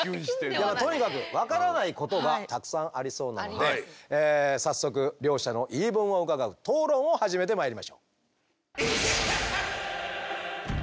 とにかく分からないことがたくさんありそうなので早速両者の言い分を伺う討論を始めてまいりましょう。